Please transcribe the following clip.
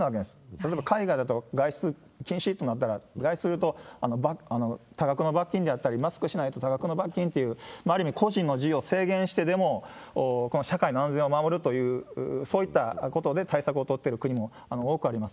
例えば海外だと外出禁止となったら、外出すると多額の罰金であったり、マスクしないと多額の罰金という、ある意味個人の自由を制限してでも、この社会の安全を守るという、そういったことで対策を取ってる国も多くあります。